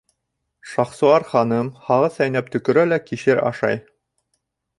Шахсуар ханым һағыҙ сәйнәп төкөрә лә кишер ашай...